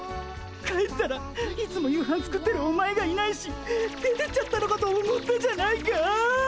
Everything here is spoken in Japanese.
帰ったらいつも夕飯作ってるお前がいないし出てっちゃったのかと思ったじゃないか！